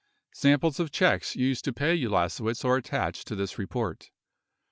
Samples of checks used to pay Ulasewicz are attached to this report.